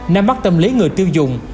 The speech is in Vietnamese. năm bắt tâm lý người tiêu dùng